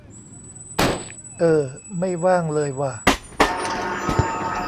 เออ ไม่ว่างเลยว่ะ